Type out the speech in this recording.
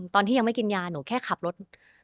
ตอนที่ยังไม่กินยาหนูแค่ขับรถ